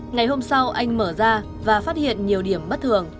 ngày hôm sau anh mở ra và phát hiện nhiều điểm bất thường